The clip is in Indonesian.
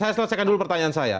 saya selesaikan dulu pertanyaan saya